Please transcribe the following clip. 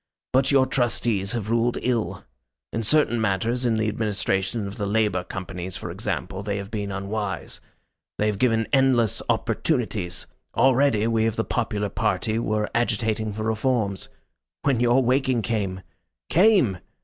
But your Trustees have ruled ill. In certain matters, in the administration of the Labour Companies, for example, they have been unwise. They have given endless opportunities. Already we of the popular party were agitating for reforms when your waking came. Came!